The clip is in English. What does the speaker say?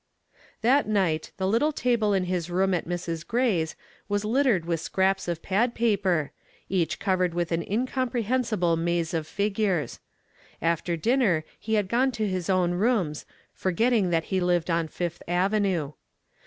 That night the little table in his room at Mrs. Gray's was littered with scraps of pad paper, each covered with an incomprehensible maze of figures. After dinner he had gone to his own rooms, forgetting that he lived on Fifth Avenue.